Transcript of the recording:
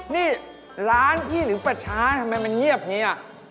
นี่ร้านพี่หรือประชาทำไมมันเงียบอย่างนี้